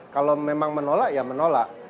kalau memang menolak ya menolak